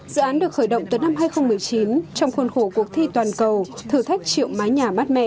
dự án được khởi động từ năm hai nghìn một mươi chín trong khuôn khổ cuộc thi toàn cầu thử thách triệu mái nhà mát mẻ